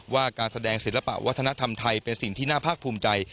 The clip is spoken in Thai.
ว่าการแสดงศิลปะวัฒนธรรมไทยเป็นสิ่งที่น่าภาคภูมิใจ